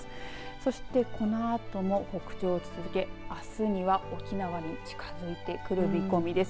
そしてこのあとも北上を続け、あすには沖縄に近づいてくる見込みです。